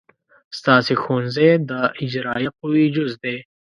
ستاسې ښوونځی د اجرائیه قوې جز دی.